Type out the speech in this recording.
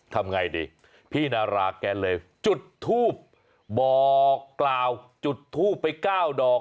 ทำไงดีพี่นาราแกเลยจุดทูบบอกกล่าวจุดทูบไป๙ดอก